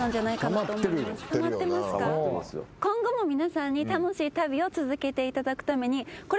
今後も皆さんに楽しい旅を続けていただくために。